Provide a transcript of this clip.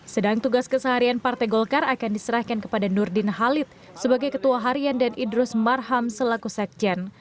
sedang tugas keseharian partai golkar akan diserahkan kepada nurdin halid sebagai ketua harian dan idrus marham selaku sekjen